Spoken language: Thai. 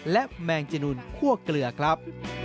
และแมงจนูนคั่วเกลือครับ